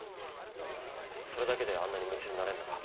それだけであんなに夢中になれんのか？